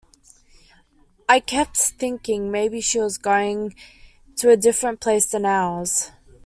"I kept "thinking" maybe she was going to a different place than ours.